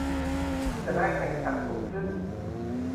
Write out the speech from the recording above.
จะได้แข่งขันสูงขึ้น